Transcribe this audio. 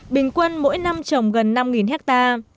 bình quân mỗi năm trồng gần năm ha